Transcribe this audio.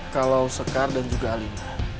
kalau sekar dan juga alim